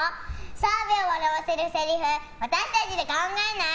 澤部を笑わせるせりふ私たちで考えない？